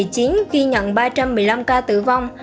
ghi nhận ba trăm một mươi năm ca tử vong